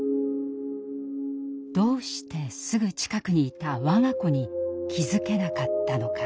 どうしてすぐ近くにいた我が子に気付けなかったのか。